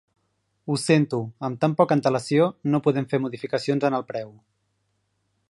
Ho sento, amb tan poca antelació no podem fer modificacions en el preu.